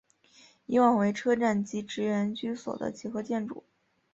以往为车站及职员居所的结合建筑。